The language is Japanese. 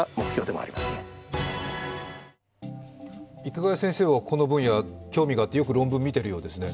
池谷先生はこの部分に、興味があってよく論文見ているそうですね。